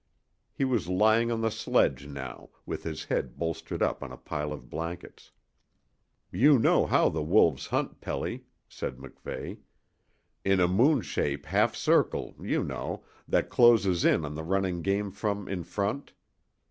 He was lying on the sledge now, with his head bolstered up on a pile of blankets. "You know how the wolves hunt, Pelly," said MacVeigh "in a moon shape half circle, you know, that closes in on the running game from in front?